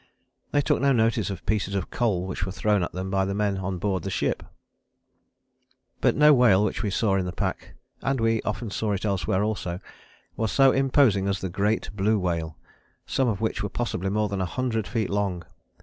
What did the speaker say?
They took no notice of pieces of coal which were thrown at them by the men on board the ship." But no whale which we saw in the pack, and we often saw it elsewhere also, was so imposing as the great Blue whale, some of which were possibly more than 100 feet long.